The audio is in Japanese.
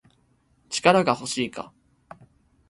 力が欲しいか